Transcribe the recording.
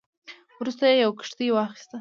وروسته یې یوه کښتۍ واخیسته.